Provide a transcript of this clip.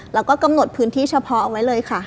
แล้วก็กำหนดพื้นที่เฉพาะเอาไว้เลยค่ะ